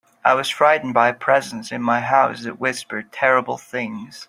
I was frightened by a presence in my house that whispered terrible things.